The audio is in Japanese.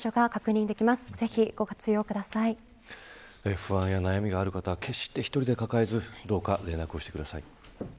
不安や悩みがある方決して１人で抱えずどうか連絡をしてください。